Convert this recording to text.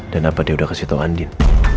dan apa dia udah kasih tau andien